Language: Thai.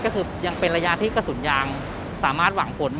ก็คือยังเป็นระยะที่กระสุนยางสามารถหวังผล